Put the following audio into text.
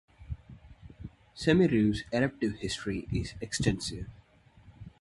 Semeru's eruptive history is extensive.